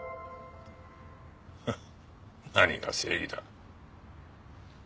フッ何が正義だ。